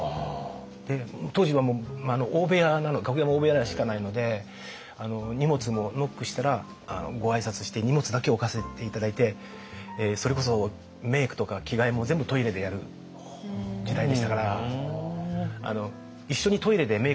当時はもう楽屋も大部屋しかないので荷物もノックしたらご挨拶して荷物だけ置かせて頂いてそれこそメイクとか着替えも全部トイレでやる時代でしたから。